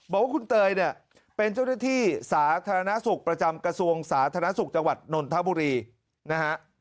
บอกว่าคุณเตยเนี่ยเป็นเจ้าหน้าที่สาธารณสุขประจำกระทรวงสาธารณสุขจังหวัดนนทบุรีนะฮะ